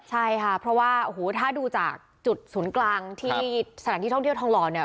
ใช่ค่ะเพราะว่าโอ้โหถ้าดูจากจุดศูนย์กลางที่สถานที่ท่องเที่ยวทองหล่อเนี่ย